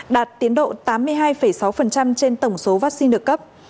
đạt tiến độ tám mươi hai sáu trên tổng số vaccine được cấp